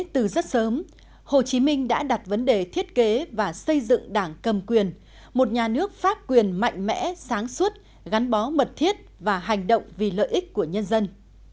từ rất sớm hồ chí minh đã đặt vấn đề thiết kế và xây dựng đảng cầm quyền một nhà nước pháp quyền mạnh mẽ sáng suốt gắn bó mật thiết và hành động vì lợi ích của nhân dân